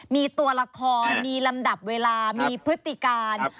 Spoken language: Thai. มีตัวละครมีลำดับเวลามีพฤติการ